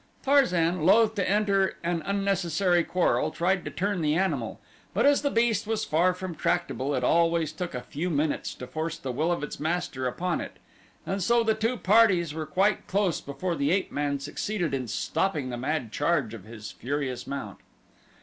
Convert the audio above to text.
Tarzan, loath to enter an unnecessary quarrel, tried to turn the animal, but as the beast was far from tractable it always took a few minutes to force the will of its master upon it; and so the two parties were quite close before the ape man succeeded in stopping the mad charge of his furious mount.